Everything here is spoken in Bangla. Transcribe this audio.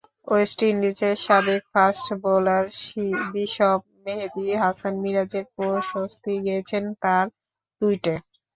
ওয়েস্ট ইন্ডিজের সাবেক fast bowler Bishop Mehedi Hasan মিরাজের প্রশস্তি গেয়েছেন তাঁর টুইটে।